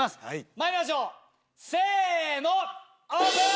参りましょうせのオープン！